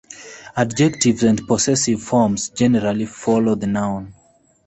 Adjectives and possessive forms generally follow the noun.